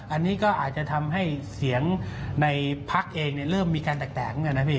อันนี้ก็อาจจะทำให้เสียงในพักเองเริ่มมีการแตกเหมือนกันนะพี่